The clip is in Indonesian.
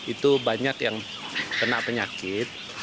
itu banyak yang kena penyakit